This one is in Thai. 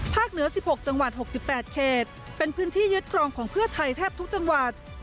พักเหนือสิบหกจังหวัดหกสิบแปดเขตเป็นพื้นที่ยึดกรองของเพื่อไทยแทบทุกจังหวัด